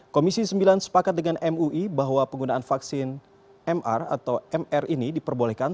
komisi sembilan sepakat dengan mui bahwa penggunaan vaksin mr atau mr ini diperbolehkan